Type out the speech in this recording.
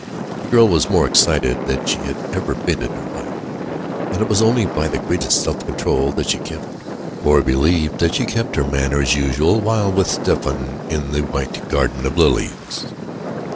The girl was more excited than she had ever been in her life, and it was only by the greatest self control that she kept or believed that she kept her manner as usual, while with Stephen in the white garden of lilies.